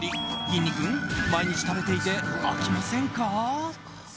きんに君、毎日食べていて飽きませんか？